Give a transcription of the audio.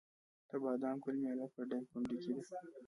د بادام ګل میله په دایکنډي کې ده.